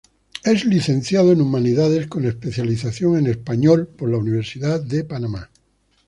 Es licenciado en Humanidades con especialización en Español por la Universidad de Panamá.